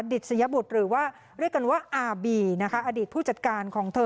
ดิสยบุตรหรือว่าเรียกกันว่าอาบีนะคะอดีตผู้จัดการของเธอ